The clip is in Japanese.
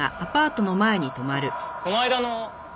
この間の。